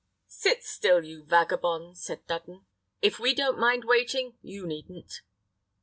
"Sit still, you vagabond," said Dudden; "if we don't mind waiting, you needn't."